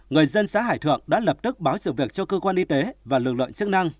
người dân xã hải thượng đã lập tức báo sự việc cho cơ quan y tế và lực lượng chức năng